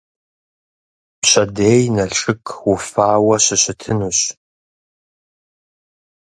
Пщэдей Налшык уфауэ щыщытынущ.